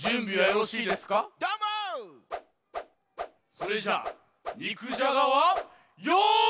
それじゃあにくじゃがはよっ！